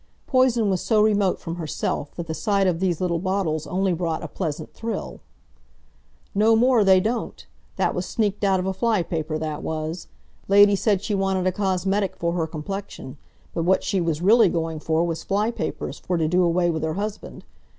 Poison was so remote from herself, that the sight of these little bottles only brought a pleasant thrill. "No more they don't. That was sneaked out of a flypaper, that was. Lady said she wanted a cosmetic for her complexion, but what she was really going for was flypapers for to do away with her husband.